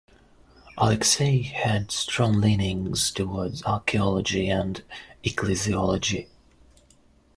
Alexei had strong leanings towards archaeology and ecclesiology.